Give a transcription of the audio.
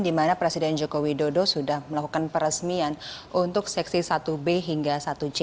di mana presiden joko widodo sudah melakukan peresmian untuk seksi satu b hingga satu c